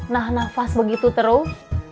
nah nafas begitu terus